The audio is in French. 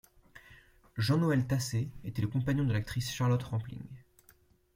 Jean-Noël Tassez était le compagnon de l'actrice Charlotte Rampling.